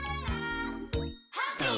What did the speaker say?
「ハッピー！